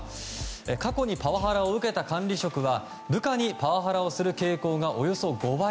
過去にパワハラを受けた管理職は部下にパワハラをする傾向がおよそ５倍。